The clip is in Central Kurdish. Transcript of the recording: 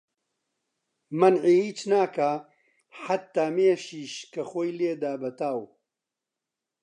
مەنعی هیچ ناکا حەتا مێشیش کە خۆی لێدا بە تاو